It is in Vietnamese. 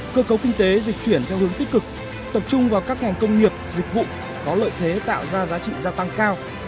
cơ cấu kinh tế dịch chuyển theo hướng tích cực tập trung vào các ngành công nghiệp dịch vụ có lợi thế tạo ra giá trị gia tăng cao